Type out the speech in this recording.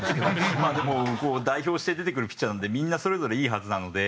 まあでも代表して出てくるピッチャーなんでみんなそれぞれいいはずなので。